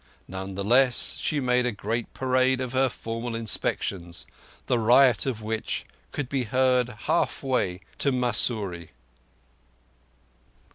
None the less, she made great parade of her formal inspections, the riot of which could be heard half way to Mussoorie.